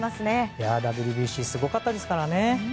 いや、ＷＢＣすごかったですからね。